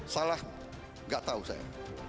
salah tidak tahu saya